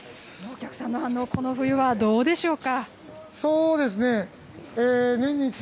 お客さんの反応、このふゆはどうでしょうか。